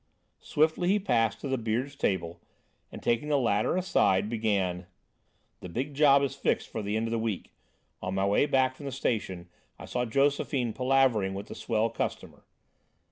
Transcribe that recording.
Swiftly he passed to the Beard's table, and, taking the latter aside, began: "The big job is fixed for the end of the week. On my way back from the station I saw Josephine palavering with the swell customer...."